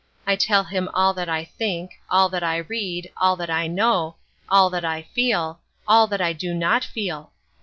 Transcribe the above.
I tell him all that I think, all that I read, all that I know, all that I feel, all that I do not feel.